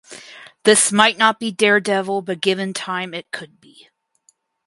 This might not be "Daredevil" but given time it could be.